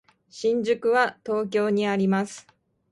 新宿は東京にあります。